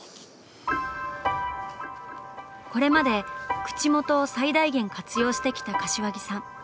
これまで「口元」を最大限活用してきた柏木さん。